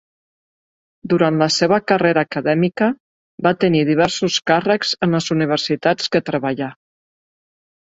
Durant la seva carrera acadèmica, va tenir diversos càrrecs en les universitats que treballà.